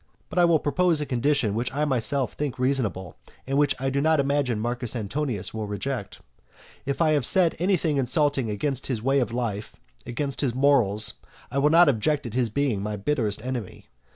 But I will propose a condition which I myself think reasonable, and which I do not imagine Marcus Antonius will reject. If I have said anything insulting against his way of life or against his morals, I will not object to his being my bitterest enemy.